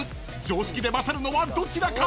［常識で勝るのはどちらか？］